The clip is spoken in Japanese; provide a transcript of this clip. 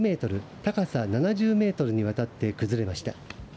高さ７０メートルにわたって崩れました。